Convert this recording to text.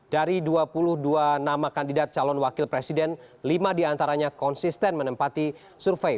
dari dua puluh dua nama kandidat calon wakil presiden lima diantaranya konsisten menempati survei